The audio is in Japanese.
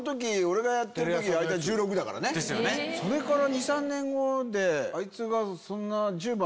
それから。